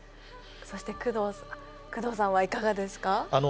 そして工藤さんはいかがですか？